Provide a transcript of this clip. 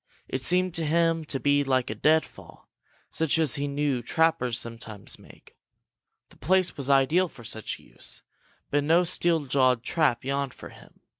It seemed to him to be like a deadfall, such as he knew trappers sometimes make. The place was ideal for such a use, but now no steel jawed trap yawned for him.